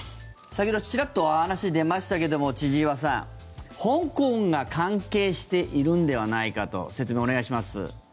先ほどちらっと話に出ましたけども千々岩さん、香港が関係しているのではないかと説明、お願いします。